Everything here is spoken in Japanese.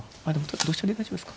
同飛車で大丈夫ですか。